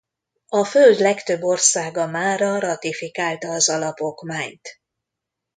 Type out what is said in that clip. A Föld legtöbb országa mára ratifikálta az Alapokmányt.